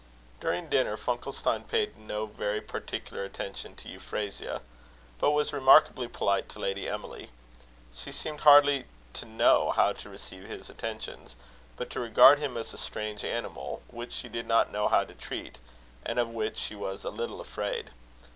During dinner, Funkelstein paid no very particular attention to Euphrasia, but was remarkably polite to Lady Emily. She seemed hardly to know how to receive his attentions, but to regard him as a strange animal, which she did not know how to treat, and of which she was a little afraid.